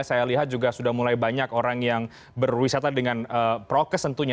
saya lihat juga sudah mulai banyak orang yang berwisata dengan prokes tentunya